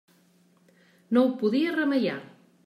No ho podia remeiar.